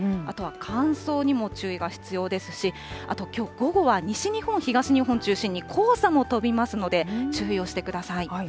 あとは乾燥にも注意が必要ですし、あと、きょう午後は西日本、東日本中心に、黄砂も飛びますので、注意をしてください。